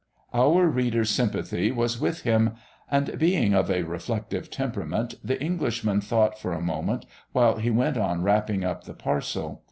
"Our readers' sympathy" was with him.... And, being of a reflective temperament, the Englishman thought for a moment, while he went on wrapping up the parcel.